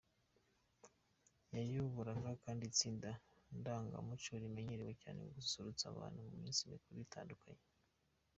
Yayoboraga kandi itsinda ndangamuco rimenyerewe cyane mu gususurutsa abantu mu minsi mikuru itandukanye.